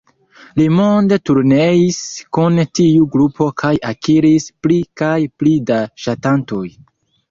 Li monde turneis kun tiu grupo kaj akiris pli kaj pli da ŝatantoj.